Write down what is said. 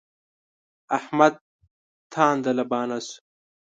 احمد تانده لبانه شو.